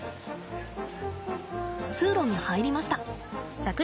通路に入りました。